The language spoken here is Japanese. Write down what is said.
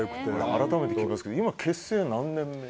改めて聞きますけど今、結成何年目？